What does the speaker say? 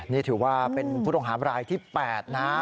นี่ถือว่าเป็นผู้ต้องหาบรายที่๘นะ